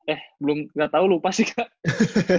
eh gak tau lupa sih kak